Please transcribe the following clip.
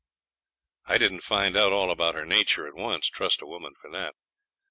I didn't find out all about her nature at once trust a woman for that.